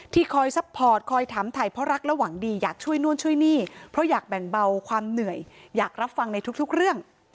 คอยซัพพอร์ตคอยถามถ่ายเพราะรักและหวังดีอยากช่วยนู่นช่วยนี่เพราะอยากแบ่งเบาความเหนื่อยอยากรับฟังในทุกเรื่อง